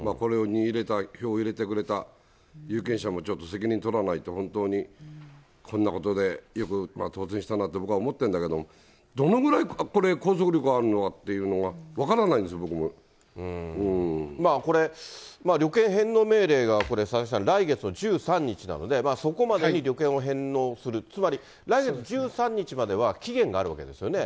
これに票を入れてくれた有権者もちょっと責任を取らないと、本当にこんなことでよく当選したなと僕は思ってるんだけど、どのぐらい、これ、拘束力あるのかなっていうのが分からないんですよ、僕これ、旅券返納命令がこれ、佐々木さん、来月の１３日なので、そこまでに旅券を返納する、つまり来月１３日までは期限があるわけですよね。